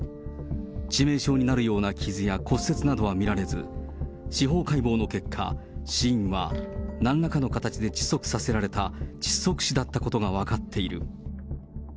致命傷になるような傷や骨折などは見られず、司法解剖の結果、死因はなんらかの形で窒息させられた、窒息死だったことが分かっている。